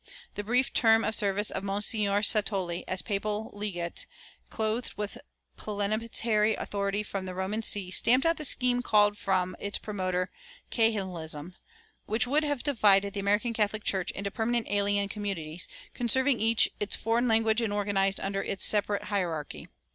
The brief term of service of Monsignor Satolli as papal legate clothed with plenipotentiary authority from the Roman see stamped out the scheme called from its promoter "Cahenslyism," which would have divided the American Catholic Church into permanent alien communities, conserving each its foreign language and organized under its separate hierarchy.